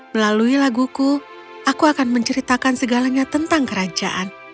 melalui laguku aku akan menceritakan segalanya tentang kerajaan